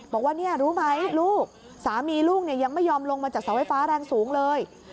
บอกว่าเนี่ยรู้ไหมลูกสามีลูกยังไม่ยอมลงมาจากเสาไฟฟ้าแรงสูงเลย